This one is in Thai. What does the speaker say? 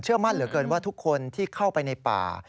มั่นเหลือเกินว่าทุกคนที่เข้าไปในป่า